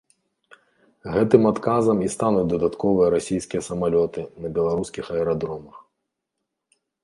Гэтым адказам і стануць дадатковыя расійскія самалёты на беларускіх аэрадромах.